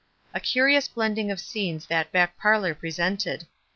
A curious blending of scenes that back parlor presented.